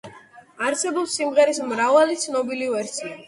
არსებობს სიმღერის მრავალი ცნობილი ვერსია.